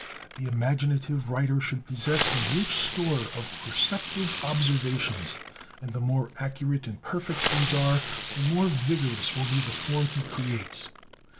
The imaginative writer should possess a rich store of perceptive observations, and the more accurate and perfect these are, the more vigorous will be the form he creates.